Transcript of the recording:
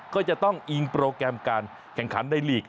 ก็จะต้องอิงโปรแกรมการแข่งขันในลีก